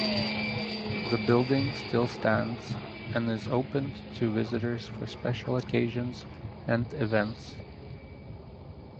The building still stands and is opened to visitors for special occasions and events.